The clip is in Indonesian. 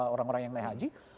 orang orang yang naik haji